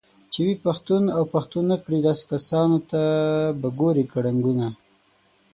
چې وي پښتون اوپښتونكړي داسې كسانوته به ګورې كړنګونه